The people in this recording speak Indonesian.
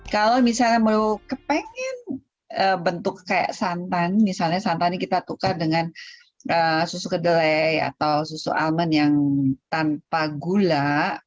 kalau misalnya mau kepengen bentuk kayak santan misalnya santan ini kita tukar dengan susu kedelai atau susu almen yang tanpa gula